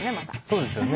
そうですよね